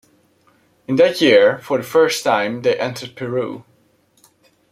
In that year, for the first time, they entered Peru.